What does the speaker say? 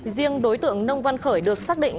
riêng đối tượng nông văn khởi được xác định